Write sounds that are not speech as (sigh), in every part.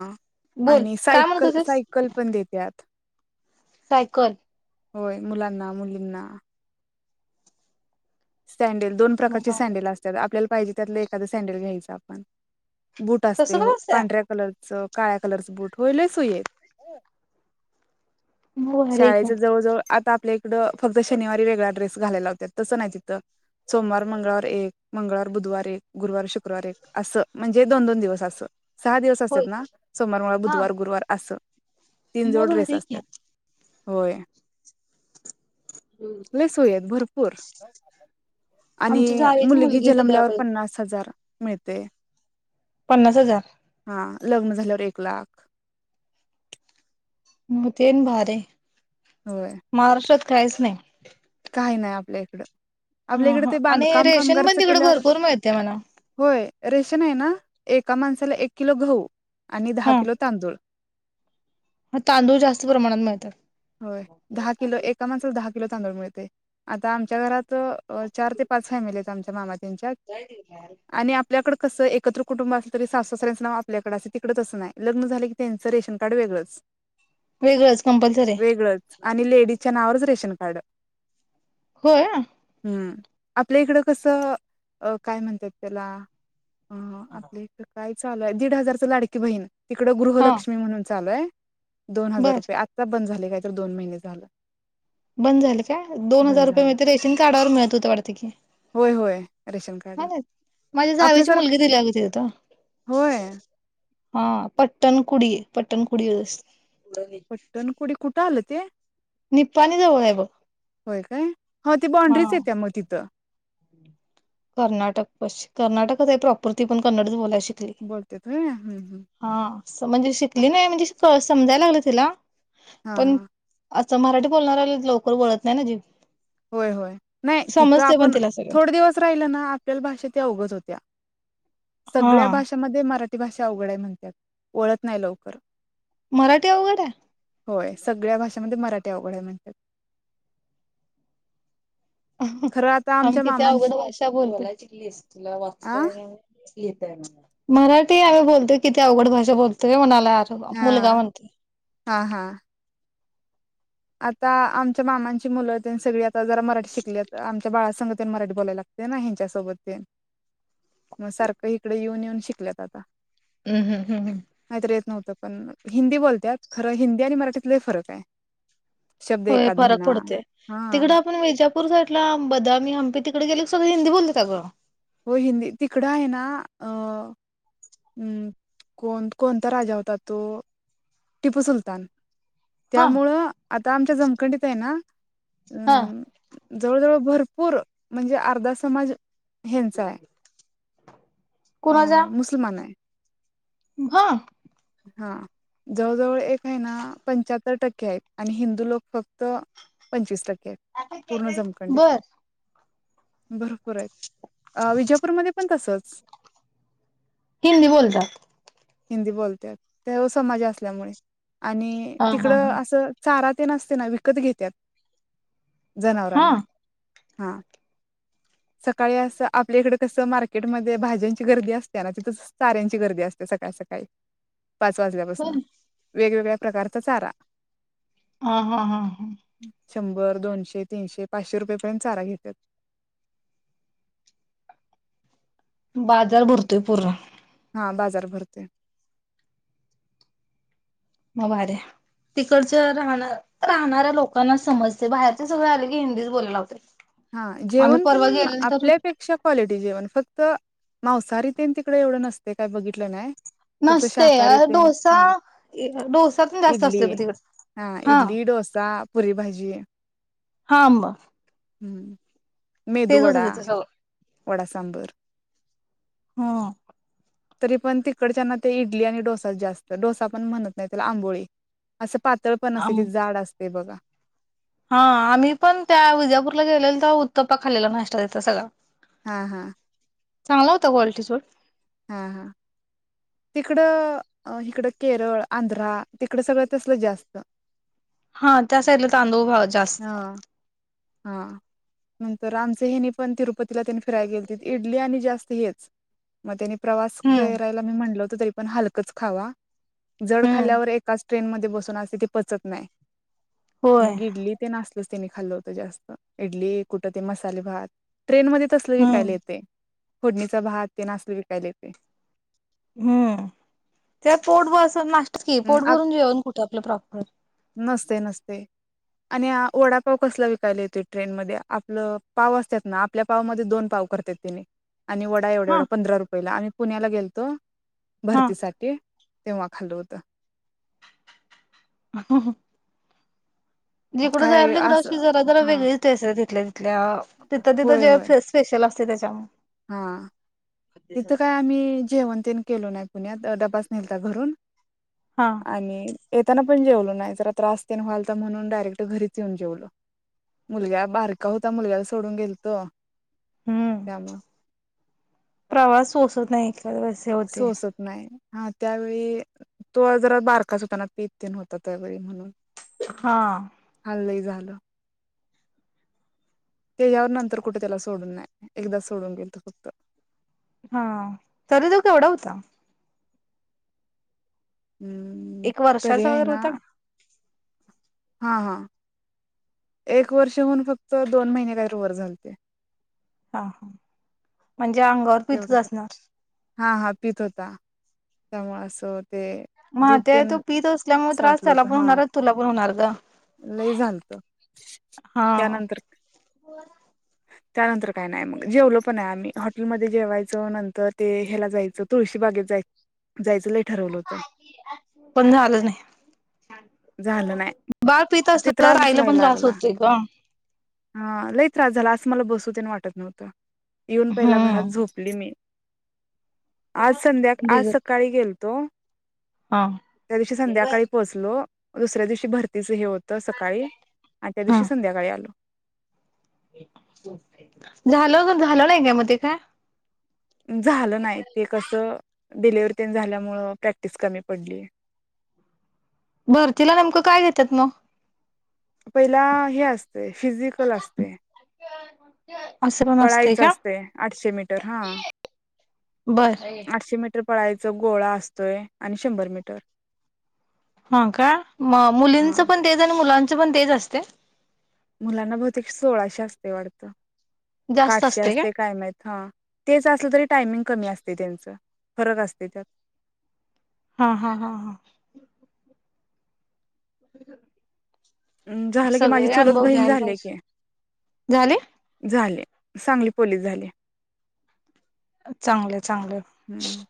अं- बोल आणि काय म्हणत सायकल, होतीस सायकल पण देत्यात - सायकल- होय मुलांना मुलींना- सॅन्डल दोन मग प्रकारचे भारी सँडेल असतात आपल्याला- पाहिजे त्यातलं एखाद सँडल घ्यायचं आपण. बूट असते, तसं हो पण असतंय पांढऱ्या कलर- च काळ्या कलरच बूट होईल (unintelligible) मग भारी आहे की शाळेच जवळ जवळ आता- आपल्याइकडं फक्त शनिारी वेगळा ड्रेस घालायला लावत्यात तसं नाहीत- सोमवार मंगळवार एक, मंगळवार बुधवार एक गुरुवार शुक - शुक्रवारी एक असं- म्हणजे दोन दोन दिवस अस- सहा दिवस होय असतात ना सोमवार, मंगळवार, हा बुधवार गुरुवार असं- तीन मग जोड भारी ड्रेस आहे की असत्यात. होय. लई सोई आहेत भरपूर. आणि आमच्या जावेची मुलगी दिल्या जनमल्यावर बाई पन्नास हजा- (unintelligible) मिळतय. पन्नास हजार. हा, लग्न झाल्यावर एक लाख. म तेन भारीय. होय महाराष्ट्रात कायच नाइ. काही नाइ आपल्या इकडं. आपल्या हा, इकडे हा ते आणि बांधकाम रेशन पण कामगारच तिकड भरपूर मिळतय म्हण. रेशनय ना एका माणसाला एक किलो गहू आणि दहा किलो तांदूळ. म तांदूळ जास्त प्रमाणात मिळत्यात. होय. दहा किलो एका माणसाला दहा किलो तांदूळ मिळतय, आता आमच्या घरात त चार ते पाच फॅमिली आम मामा तुमच्यात आणि आपल्याकडं कसं एकत्र कुटुंब असलं तरी सासू सासऱ्यांचं नाव आपल्याकड अस तिकडच तसं नाय, लग्न झालं की त्यांचं रेशन कार्ड वेगळंच. वेगळंच कंपल्सरी वेगळंच आणि लेडीजच्या नावावरच रेशन खाड (unintelligible) होय हम्म, आपल्या इकडं कसं काय म्हणतात त्याला आ आपल्या इथ काय चालूय दीड हजारचं लाडकी बहीण तिकड हा गृहलक्ष्मी म्हणून च चालुय दोन हजार बर रुपय आत बंद झालय कायतर दोन महिने झालं. बंद झालं काय? दोन हजार बंद झालं रुपये रेशन कार्डावर मिळत हुत वाटत की, होय होय रेशन कार्ड माझ्या जावची आपल्यासारखं मुलगी दिल्या ग तिथ. होय हा पट्टणकुडी-पट्टणकुडी अस पट्टणकुडी कुठे आलं ते? निपाणी जवळ आहे बघ होय काय, हो ती हा बांड्रीच येत्या म तिथं‌. कर्नाटक पशी कर्नाटकचय प्रॉपर, ती पण कन्नडच बोलाय शि बोलतेत होय. हम्म, हम्म स म्हणजे शिकली नाय म्हणजे समजायला लागलं तिला हा, हा. अच्छा मराठी बोलणार आले लवकर वळत नाही ना जीभ होय होय नाही तिथं समजते पण आपण तिला सगळं थोड दिवस राहिल ना. आपल्याला भाषा ती अवगत होत्या. सगळ्या हा भाषामध्ये मरा ती भाषा अवघडय म्हणतात वळत नाही लवकर. मराठी अवघड आहे? होय सगळ्या भाषांमध्ये मराठी अवघडय म्हणत्यात. (unintelligible) आम्ही आमच्या किती अवघड मामांची भाषा बोलायला शिकलीस तुला आ (unintelligible) (unintelligible) मराठी आम्ही बोलतोय किती अवघड भाषा बोलतोय म्हणाल काय आजोबा मुलगा हा म्हणते. हा हा आता आमच्या मामांची मुलं तेन सगळी जरा मराठी शिकली आमच्या बाळा संग तर तर मराठी बोलायला लागते ना, ह्यांच्या सोबत ते मग सारखं इकडे येऊन येऊन शिकल्यात आता. हम् हम् हम्म नाहीतर येत नव्हतं पण हिंदी बोलत्यात खरं हिंदी आणि मराठीत लई फरक आहे. शब्द होय एकाद फरक म्हणा पडतोय हा तिकड आपण विजा नागपूर साईडला बदामी हंपी तिकडे गेल सगळे हिंदी बोलत्यात अगं! हो हिंदी तिकडं आहे ना अ हम् कोण? कोणता? राजा होता तो टिपू सुलतान. हा त्यामुळं आता आमच्या जमखंडीत आहे ना हा अं जवळ जवळ भरपूर म्हणजे अर्धा समाज ह्यांचा आहे अ कुणाचा मुसलमान आहे. हा हा जवळजवळ एक आहे ना पंच्याहत्तर टक्के आहेत. आणि हिंदू लोक फक्त पंचवीस टक्के. आहेत पूर्ण (unintelligible) जमखंडीत बर. भरपूर आहेत विजापूरमध्ये पण तसच. हिंदी बोलतात. हिंदी बोलतत्यात (unintelligible) समाज असल्यामुळे. आणि हा हा तिकडं हा. असं चारा ते असतय ना विकत घेत्यात. हा जनावरांना. हा सकाळी असं आपल्याकडे कसं मार्केटमध्ये भाज्यांची गर्दी असते ना तिथं स चाऱ्यांची गर्दी असते. सकाळी सकाळी पाच वाजल्यापासून बर वेगवेगळ्या प्रकारचा चारा, हा, हा, हा, हा. शंभर, दोनशे, तीनशे, पाचशे रुपयेपर्यंत चारा घेत्यात. बाजार भरतोय पूर्--. हा बाजार भरतोय. म भारीय. तिकडच राहणा राहणाऱ्या लोकांना समजतय, बाहेरचे सगळे आले की हिंदीच बोलायला लावत्यात. हा जेवण पण आपल्या पेक्षा क्वालिटी जेवण फक्त मांसाहारी ते न तिकडे एवढं नसतय, काय बघितलं नाय, नसते अ डोसा, इ डोसा पण जास्त इडली असतो ब तिकड हा इडली, डोसा, पुरी भाजी हांम. हं तेच होतं त्याच, हो. वडा-सांबर, हम्म तरी पण तिकडच्याना ते इडली आणि डोसा जास्त, डोसा पण म्हणत नाही त्याला आंबोळी, असं पातळ पण नसते आम ती जाड अस ते बघा. हा, आम्ही पण त्या विजापूरला गेलेलो तवा उत्तप्पा खालेला नाष्टा तिथं सगळा. हा हा चांगला होता गोल ते सोड, हा हा. तिकडं, हिकडं केरळ, आंध्रा तिकडं सगळं तसल जास्त. हा त्या साइडला तांदूळ भाव जास् हा हा नंतर आमचे हेनी पण तिरु पतीला त्यानी फिराय गेलते त इडली आणि जास्त हेच. म त्यानी प्रवास हम्म करायला मी म्हणल हो तरी पण हलकच खावा, जड हम्म खाल्ल्यावर एकाच ट्रेन मधे बसून अस ते पचत नाही. होय मग इडली ते नास तेनी खालो. जास्त इडली, कुठ ते मसाले भात. ट्रेन मध्ये तसलं हम्म. विकायला येतेय. फोडणीचा भात ते न आस्ल विकायला येतय. हम्म ते पोट (unintelligible) तेच की, अं पोट भरून जेवण कुठं आपलं प्रॉपर. नसतय-नसतय आणि आ वडापाव कसला विकायला येतोय ट्रेनमध्ये, आपलं पाव असत्यात ना आपल्या पावमध्ये दोन पाव करत तेनी आणि वडा हा एवढा-एवढा पंधरा रुपयाला आ पुण्याला गेलतो हा भरतीसाठी तेव्हा खाल होत. ता ह जिकडं काय जायल तिकडं, असं अशी जरा जरा हा वेगळीचस टेस्ट तिथले, त्या तिथं तिथं होय जे होय स्पे स्पेशल अस त्याच्या हा. तिथं काय आम्ही जेवण तेन केलो नाही. पुण्यात डबास नेलता घरून. हा आणि येताना पण जेवलो नाही, जरा त्रासतेन व्हालता म्हणून डायरेक्ट घरीच येऊन जेवलो. मुलग्या बारका होता, मुलग्याला सोडून गेलतो, हम्म. काम प्रवास पोसत नाही. बवसेे होते. हां त्यावेळी तो जरा बारकाच होताना, पीत तेन होता त्यावेळी म्हनून हां. लइ झालं. तेज्यावर नंतर कुट त्याला सोडून नाय, एकदाच सोडून गेलतो फक्त, हां तरी त्यो केवढा हुता? हम्म एक वर्षाचा वगैरे होता. हां हां. एक वर्षहुन फक्त दोन महिने कायर वर झालते. आं हां. म्हंजे अंगावर पितच तेवढं असणार. हा हा पित होता. त्यामुळे असं ते दूध माहत्याय तेन तो पित असल्यामुळे त्रास साठल त्याला होत पण हा हुणार अनं तुला पण हुणार ग लई झालत हां. त्यानंतर त्यानंतर काय नाय मग जेवलो पण नाय आम्ही, हॉटेलमध्ये जेवायचं नंतर ते ह्याला जायचं तुळशी बागेत जाय जायचं लै पण झालं नाय झालं नाही. बाळ पित ते असल्यावर त्रासच आईला पण त्रास होतोय ग. हां लई त्रास झाला आ मला बसू तेन वाटत नव्हतं. युन पहिला घरात हम्म झोपली मी. आज संध्या, आज बिगर सकाळी गेल तों हा त्यादिवशी संध्याकाळी पोहोचलो. दुसऱ्या दिवशी भरतीच हे हो त सकाळी आणि त्यादिवशी संध्याकाळी आलो. झाल (unintelligible) झालं नइ काय म ते काय? झालं नाय ते कसं डिलीवरीतेन झाल्यामुळं प्रॅक्टिस कमी पडली. भरतीला नेमकं काय घेत्यात म? पहिला हे अस फिजीकल असतय असं पण असते पळायच का असतय आठशे मीटर हां बर आठशे मीटर प पळायचा गोळा असतोय आणि शंभर मीटर. हां काय म मुलींच हा पन तेच आणि मुलां च पन तेच असतय? मुलांना बहुतेक सोळाशे असतयं वाटतं. का जास्त आठशे असते का असतय काय माहित हां तेचअसलं तरी टायमिंग कमी असतयं त्यांचं. फरक असतय त्यात. हां हां हां हां. (inaudible) झालं की माझी सगळे चुलच अनुभव बहीण घ्यायला झाली की. पाहिजे झाले झाले सांगली पोलीस झाले. चांगलं चांगलं. हम्म.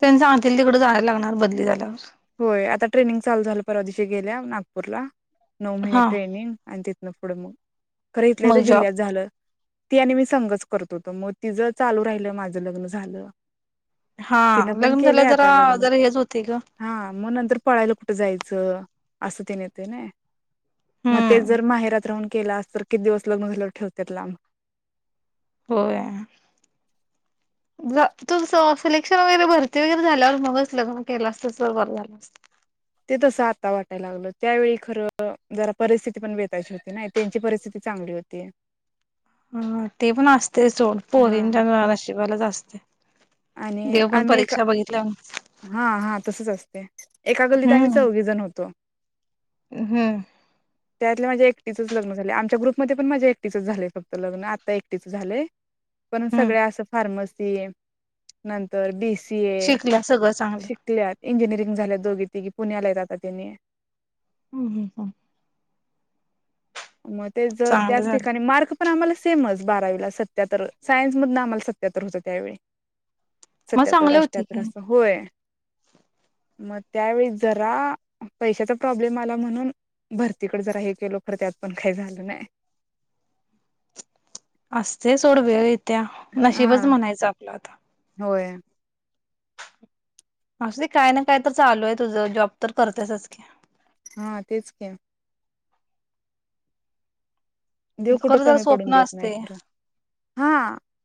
त्यांनी सांगतील तिकड जायला लागणार बदली झाल्यावर. होय आता ट्रेनिंग चालू झालं परवा दिशी गेल्या नागपूरला. नऊ महिने हा ट्रेनिंग आणिि नपड म खरं इथलं इथ मग जॉब जिल्ह्यात झालं. ती आणि मी संघच करतोतो मग तिझं चालू राहिलं माझं लग्न झालं. हा तिनं पण लग्न झाल्या केलंय जरा आता लग्न जरा हेच होते ग. हा मग नंतर पळायला कुठं जायचं असं ते नेत ना. मग ते हम्म जर माहेरात राहून केला अस तर किती दिवस लग्न झालं ठेवते ला आम. होय. तू सिलेक्शन वगैरे भरती वगैरे झाल्यावर मग मग केला असत बरं झालं अस. ते तसं आता वाटायला लागलं त्यावेळी खरं जरा परिस्थिती पण बेतायची होती ना त्यांची परिस्थिती चांगली होती. ह ते पण असत ते सोड हा पोरीन ज नशिवाला असस्ते. आणि आम्ही. ए हा हा तसच असते एका गल्लीत आम्ही हम्म चौघ जण होतो. हम्म त्यातले माझे एक लग्न झा आमच्या ग्रुपमध्ये पण माझे एकटीच झाले फक्त लग्न आता एकटीच झाले. पण हम्म सगळ्या असं फार्मसी नंतर बीस सी ए. शिकल्या सगळं चांगलं शिकल्यात इंजिनिअरिंग झाल्या दोघी ते की आता पुण्याला हायत तेनी. हं हं हं. मग ते जर त्याच ठिकाणी मार्क पण आम्हाला सेमच बारावीला सत्याहत्तर, सायन्समधनं आम्हाला सत्याहत्तर होतं त्यावेळी. मग सत्याहत्तर, चांगले होते अष्टयाहत्तर की असं होय. मग त्यावेळी जरा पैशाचा प्रॉब्लेम आला म्हणून, भरतीकडे जरा हे केलो खरं त्यात पण काय झालं न्हाय. असतं सोडगं. त्या नशीबच हा म्हणायचं आपलं आता. होय असूदे काय ना काय तर चालू हाय तुझं जॉब तर करतेसच की. हा तेचकी. देव कुठं खरं जरा कमी पडून स्वप्न देत नाही असते खरं. हा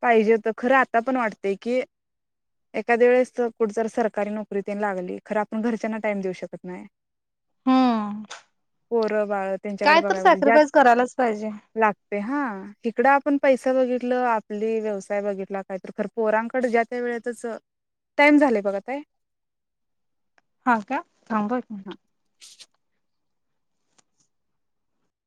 पाहिजे होतं खरं आ आतापण वाटतंय की, एखाद्या वेळेस कुठ जर सरकारी नोकरी तेन लागली, खरं आपण घरच्यांना टाइम देऊ शकत न्हाय. हम्म. पोरं बाळ कायतर सॅक्रीफाईस करायलाच पाहिजे. लागतंय हां. इकडं आपण पैसा बघितलं, आपली व्यवसाय बघितला काहीतर खर पोरांकड ज्या त्या वेळातच, टाइम झालंय बघा ताई. हां का, थांबूया की.